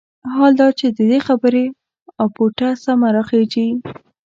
حال دا چې د دې خبرې اپوټه سمه راخېژي.